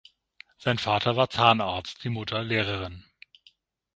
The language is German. Sein Vater war Zahnarzt, die Mutter Lehrerin.